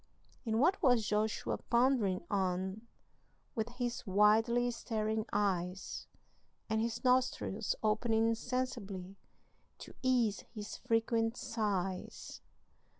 And what was Joshua pondering on, With his widely staring eyes, And his nostrils opening sensibly To ease his frequent sighs?